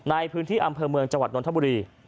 ในพื้นที่อำเภอเมืองจังหวัดนทบุรี